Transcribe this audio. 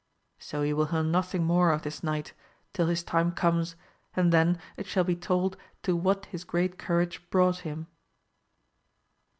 So you will hear nothing more of this knight; till his time comes, and then it shall be told to what his great courage brought him.